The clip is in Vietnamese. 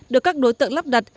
được các đối tượng lắp đặt